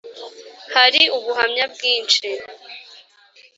Hari ubuhamya bwinshi